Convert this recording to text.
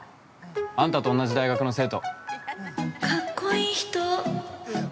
あんたと同じ大学の生徒。